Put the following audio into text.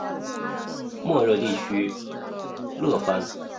莫热地区勒潘。